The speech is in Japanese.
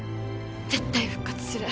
絶対復活する